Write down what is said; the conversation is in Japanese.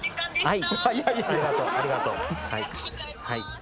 はい。